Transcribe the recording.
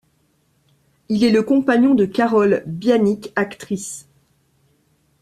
Il est le compagnon de Carole Bianic, actrice.